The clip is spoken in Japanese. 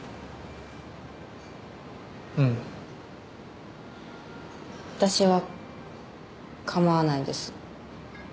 うん私はかまわないです